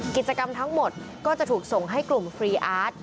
กิจกรรมทั้งหมดก็จะถูกส่งให้กลุ่มฟรีอาร์ต